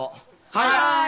はい！